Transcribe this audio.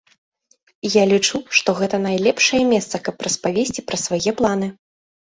Я лічу, што гэта найлепшае месца, каб распавесці пра свае планы.